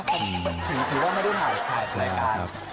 ถูกว่าไม่ได้ถ่ายใบรายการ